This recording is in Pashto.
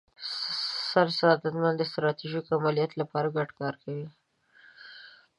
سرساتنمن د ستراتیژیکو عملیاتو لپاره ګډ کار کوي.